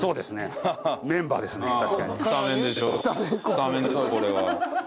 スタメンでしょこれは。